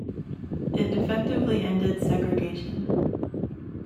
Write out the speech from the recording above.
It effectively ended segregation.